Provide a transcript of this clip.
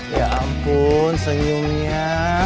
ya ampun senyumnya